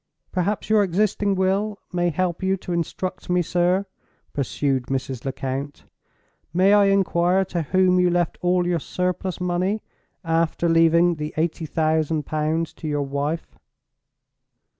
"Perhaps your existing will may help you to instruct me, sir," pursued Mrs. Lecount. "May I inquire to whom you left all your surplus money, after leaving the eighty thousand pounds to your wife?"